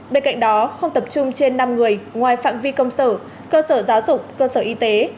bên cạnh đó không tập trung trên năm người ngoài phạm vi công sở cơ sở giáo dục cơ sở y tế